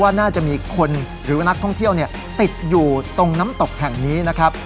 น่าจะมีคนหรือนักท่องเที่ยวติดอยู่ตรงน้ำตกแห่งนี้นะครับ